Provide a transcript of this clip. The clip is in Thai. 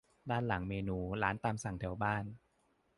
ด้านหลังเมนูร้านตามสั่งแถวบ้าน